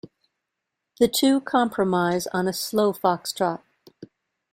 The two compromise on a slow fox-trot.